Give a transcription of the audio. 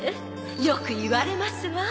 よく言われますわ。